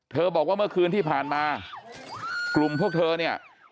บอกว่าเมื่อคืนที่ผ่านมากลุ่มพวกเธอเนี่ย